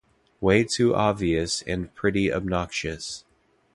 Way too obvious and pretty obnoxious.